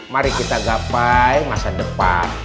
mari kita gapai masa depan